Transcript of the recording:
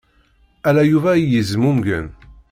Ala Yuba ay yezmumgen.